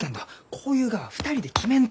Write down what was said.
こういうがは２人で決めんと！